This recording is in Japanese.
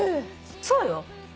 そうよ。